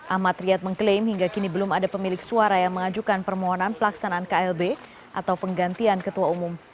ahmad riyad mengklaim hingga kini belum ada pemilik suara yang mengajukan permohonan pelaksanaan klb atau penggantian ketua umum